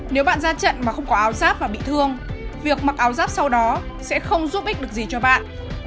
nếu bạn ra trận mà không có áo giáp và bị thương việc mặc áo giáp sau đó sẽ không giúp ích được gì cho bạn